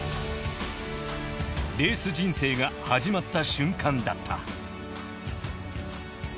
レース人生が始まった瞬間だった